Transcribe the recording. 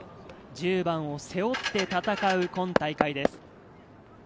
１０番を背負って戦う今大会です。